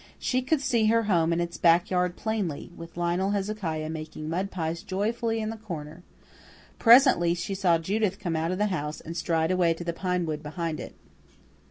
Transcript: She could see her home and its back yard plainly, with Lionel Hezekiah making mud pies joyfully in the corner. Presently she saw Judith come out of the house and stride away to the pine wood behind it.